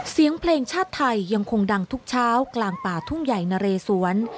เสียงเพลงชาติไทยยังคงดังทุกเช้ากลางป่าทุ่งใหญ่นะเรสวน